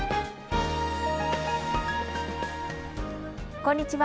こんにちは。